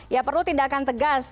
ya perlu tindakan tegas